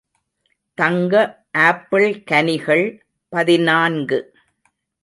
தங்க ஆப்பிள் கனிகள் பதினான்கு .